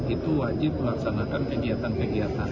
itu wajib melaksanakan kegiatan kegiatan